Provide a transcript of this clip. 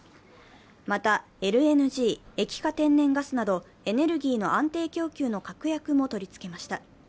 また、ＬＮＧ＝液化天然ガスなどエネルギーの安定供給の確約も取り付けました。